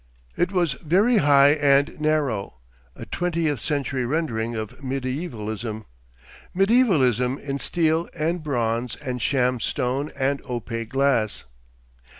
It was very high and narrow, a twentieth century rendering of mediaevalism, mediaevalism in steel and bronze and sham stone and opaque glass.